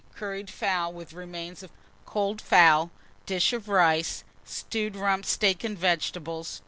Curried fowl with remains of cold fowl; dish of rice, stewed rump steak and vegetables.